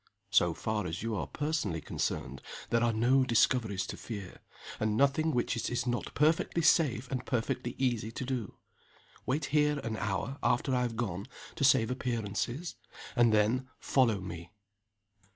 So far as you are personally concerned there are no discoveries to fear and nothing which it is not perfectly safe and perfectly easy to do. Wait here an hour after I have gone to save appearances; and then follow me."